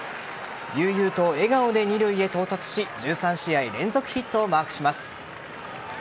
悠々と笑顔で二塁へ到達し１３試合連続ヒットをマークします。